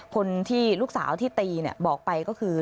คนที่ลูกสาวที่ตีบอกไปก็คือ